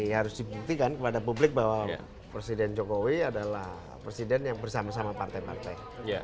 harus dibuktikan kepada publik bahwa presiden jokowi adalah presiden yang bersama sama partai partai